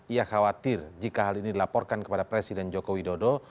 ia khawatir jika hal ini dilaporkan kepada presiden joko widodo